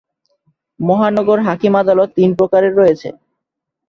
মহানগর হাকিম আদালত তিন প্রকারের রয়েছে।